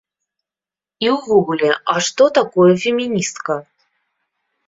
І ўвогуле, а што такое феміністка?